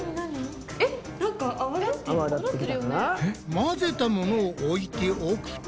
混ぜたものを置いておくと。